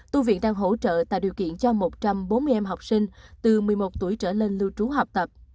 tu viện đang hỗ trợ tạo điều kiện cho một trăm bốn mươi em học sinh từ một mươi một tuổi trở lên lưu trú học tập